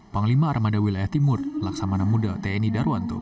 panglima armada wilayah timur laksamana muda tni darwanto